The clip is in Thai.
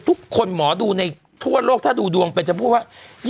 ทุกคนหมอดูในทั่วโลกถ้าดูดวงเป็นจะพูดว่า